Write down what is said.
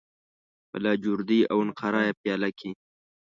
په لاجوردی او نقره یې پیاله کې